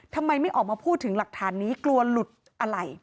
ทำไมไม่ออกมาพูดถึงหลักฐานนี้กลัวหลุดอะไร